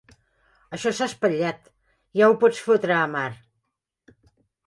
Això s'ha espatllat: ja ho pots fotre a mar!